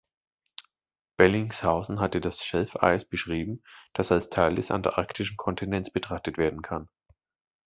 Bellingshausen hatte das Schelfeis beschrieben, das als Teil des antarktischen Kontinents betrachtet werden kann.